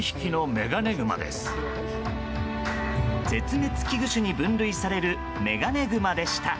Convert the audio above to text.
絶滅危惧種に分類されるメガネグマでした。